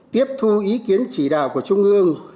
tiếp thu ý kiến chỉ đạo của trung ương